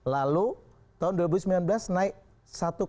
lalu tahun dua ribu sembilan belas naik satu tujuh